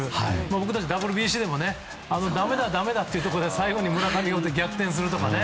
僕たち、ＷＢＣでもだめだだめだというところで最後に村上が打って逆転するとかね。